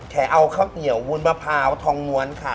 แค่เอาข้าวเหนียววุ้นมะพร้าวทองมวลค่ะ